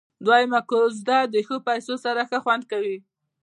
دوهمه کوزده د ښو پيسو سره ښه خوند کيي.